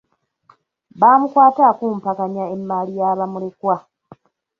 Baamukwata akumpakanya emmaali ya bamulekwa.